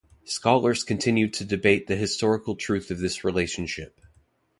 Scholars continue to debate the historical truth of this relationship.